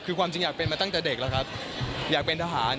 คือความจริงอยากเป็นมาตั้งแต่เด็กแล้วครับอยากเป็นทหาร